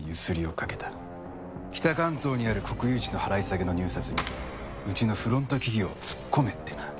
北関東にある国有地の払い下げの入札にうちのフロント企業を突っ込めってな。